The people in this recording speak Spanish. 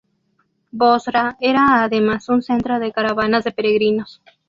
Bosra era además un centro de caravanas de peregrinos.